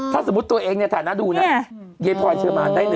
ถ้าสมมติตัวเองในฐานะดูน่ะ